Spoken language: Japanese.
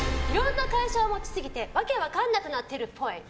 いろんな会社を持ちすぎて訳分かんなくなってるっぽい。